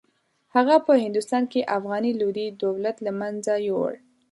هغه په هندوستان کې افغاني لودي دولت له منځه یووړ.